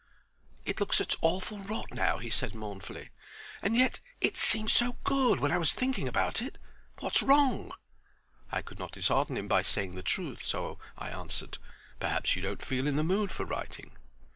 "It looks such awful rot now" he said, mournfully. "And yet it seemed so good when I was thinking about it. What's wrong?" I could not dishearten him by saying the truth. So I answered: "Perhaps you don't feel in the mood for writing."